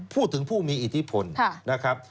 พูดถึงผู้มีอิทธิพลนะครับ